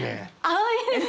あっいいですか？